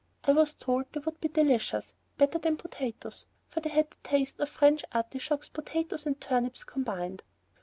I was told they would be delicious, better than potatoes, for they had the taste of French artichokes, potatoes, and turnips combined.